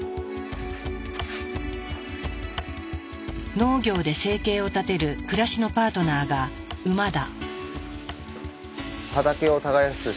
農業で生計を立てる暮らしのパートナーがウマだ。